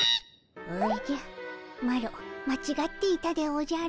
おじゃマロまちがっていたでおじゃる。